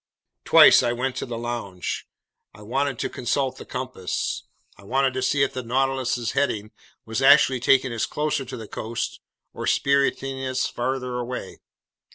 Twice I went to the lounge. I wanted to consult the compass. I wanted to see if the Nautilus's heading was actually taking us closer to the coast or spiriting us farther away.